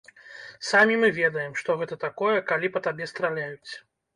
Самі мы ведаем, што гэта такое, калі па табе страляюць.